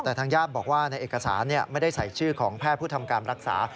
แต่ทางญาติบอกว่าในเอกสารไม่ได้ใส่ชื่อของแพทย์ผู้ทำการรักษา